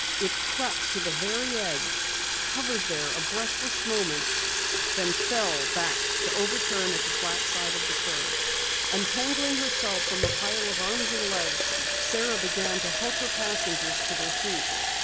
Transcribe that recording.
It crept to the very edge, hovered there a breathless moment, then fell back to overturn at the flat side of the curve. Untangling herself from a pile of arms and legs, Sara began to help her passengers to their feet.